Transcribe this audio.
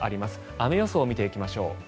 雨予想を見ていきましょう。